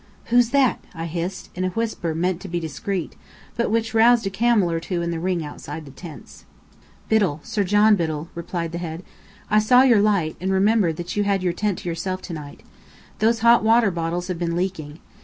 "Who's that?" I hissed, in a whisper meant to be discreet, but which roused a camel or two in the ring outside the tents. "Biddell Sir John Biddell," replied the head. "I saw your light, and remembered you had your tent to yourself to night. Those hot water bottles have been leaking.